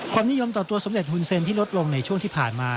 ความนิยมต่อตัวสำเร็จหุ่นเซ็นที่ลดลงในช่วงที่ผ่านมา